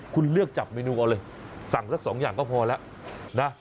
คุณเลือกจับเมนูเอาเลยสั่งสักสองอย่างก็พอแล้วนะ